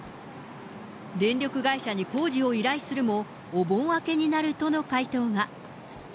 電力会社に工事を依頼するも、お盆明けになるとの回答が。